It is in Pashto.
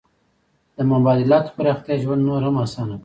د مبادلاتو پراختیا ژوند نور هم اسانه کړ.